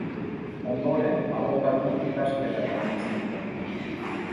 Ondoren abokatu ikasketak egin zituen.